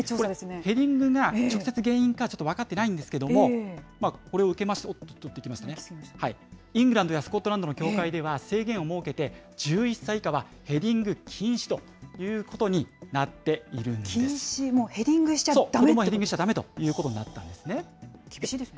ヘディングが直接原因かはちょっと分かってないんですけど、これを受けまして、イングランドやスコットランドの協会では制限を設けて、１１歳以下はヘディング禁止ということになっているん禁止、もうヘディングしちゃヘディングしちゃだめという厳しいですね。